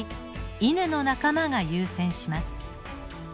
イネの仲間が優占します。